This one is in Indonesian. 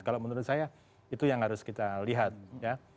kalau menurut saya itu yang harus kita lihat ya